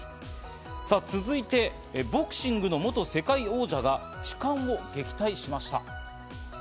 さぁ、続いてボクシングの元世界王者が痴漢を撃退しました。